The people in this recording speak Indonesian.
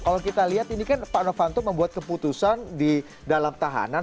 kalau kita lihat ini kan pak novanto membuat keputusan di dalam tahanan